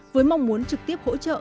với mong muốn trực tiếp hỗ trợ